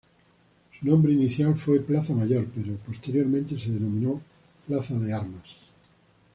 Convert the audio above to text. Su nombre inicial fue plaza Mayor, pero posteriormente se denominó plaza de Armas.